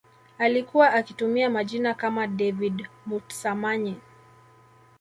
Alikuwa akitumia majina kama David Mutsamanyi